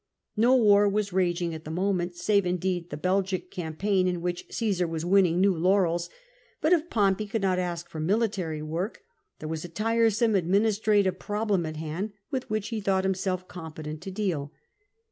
No war was raging at the moment, save indeed the Belgic campaign, in which Cmsar was winning new laurels ; but if Pompey could not ask for military work, there was a tiresome administrative pro blem on hand, with which he thought himself competent to deal.